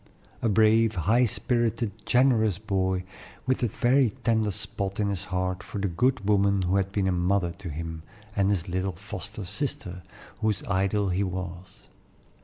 A brave, high spirited, generous boy, with a very tender spot in his heart for the good woman who had been a mother to him, and his little foster sister, whose idol he was.